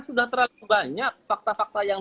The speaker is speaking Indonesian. sudah terlalu banyak fakta fakta yang